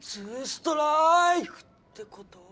２ストラーイク！ってこと？